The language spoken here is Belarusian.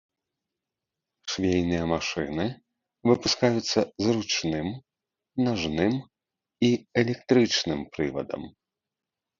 Швейныя машыны выпускаюцца з ручным, нажным і электрычным прывадам.